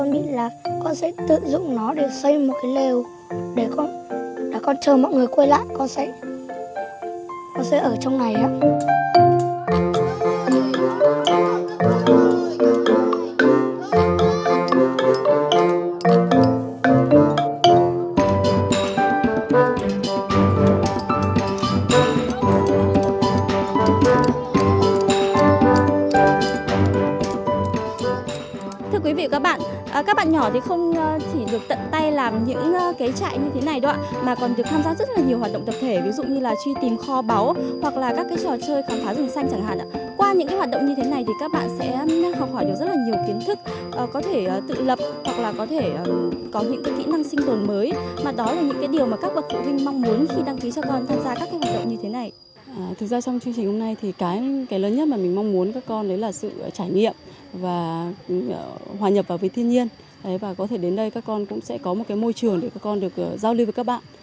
và có thể đến đây các con cũng sẽ có một cái môi trường để các con được giao lưu với các bạn